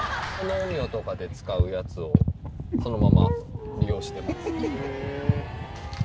農業とかで使うやつをそのまま利用してます。